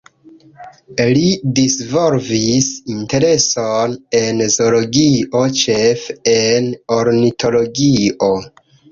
Li disvolvis intereson en zoologio, ĉefe en ornitologio.